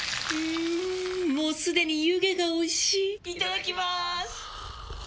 もうすでに湯気がおいしいいただきまーす！